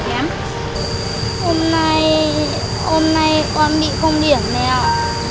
hôm nay hôm nay con bị không điểm này ạ